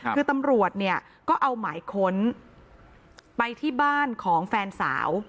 คือตำรวจเนี่ยก็เอาหมายค้นไปที่บ้านของแฟนสาว